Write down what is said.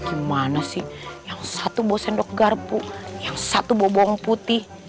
gimana sih yang satu bawa sendok garpu yang satu bawa bawang putih